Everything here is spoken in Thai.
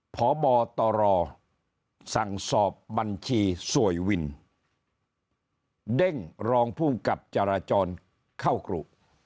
พบตรสั่งสอบบัญชีสวยวินเด้งรองภูมิกับจราจรเข้ากรุ